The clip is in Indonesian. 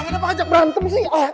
tangan apa ajak berantem sih